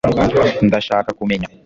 Ndashaka kumenya